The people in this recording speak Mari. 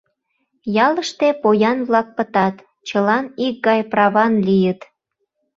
Ялыште поян-влак пытат, чылан икгай праван лийыт.